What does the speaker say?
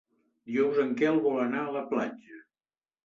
Dijous en Quel vol anar a la platja.